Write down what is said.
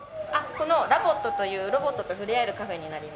このラボットというロボットと触れ合えるカフェになります。